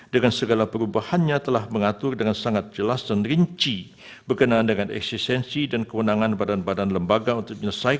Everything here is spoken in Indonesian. dengan segala perubahannya telah mengatur dengan sangat jelas dan rinci berkenaan dengan eksistensi dan kewenangan badan badan lembaga untuk menyelesaikan